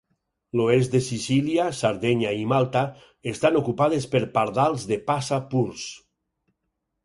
L'oest de Sicília, Sardenya i Malta estan ocupades per Pardals de passa purs.